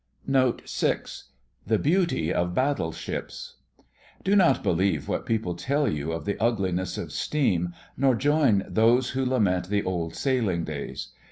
NOTE VI THE BEAUTY OF BATTLESHIPS Do not believe what people tell you of the ugliness of steam, nor join those who lament the old sailing days.